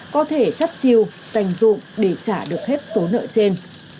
có thể chấp chiêu dành dụng để trả được hết số nợ trên